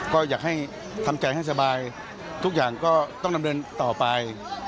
ก็อยากให้ทำใจให้สบายทุกอย่างก็ต้องดำเนินต่อไป